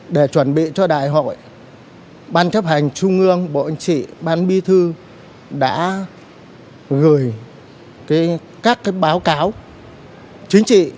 để chuẩn bị cho đại hội ban chấp hành trung ương bộ trị ban bí thư đã gửi các báo cáo chính trị